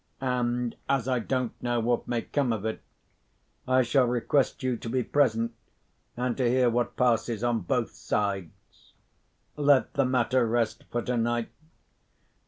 And, as I don't know what may come of it, I shall request you to be present, and to hear what passes on both sides. Let the matter rest for tonight.